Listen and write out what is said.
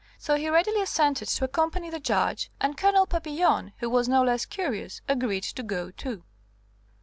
So he readily assented to accompany the Judge, and Colonel Papillon, who was no less curious, agreed to go too.